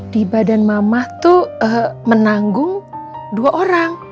di badan mama tuh menanggung dua orang